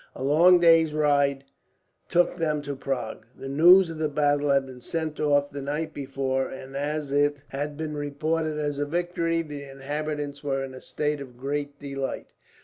A long day's ride took them to Prague. The news of the battle had been sent off the night before, and as it had been reported as a victory, the inhabitants were in a state of great delight.